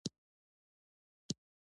مرکه د خلکو ژوند منعکسوي.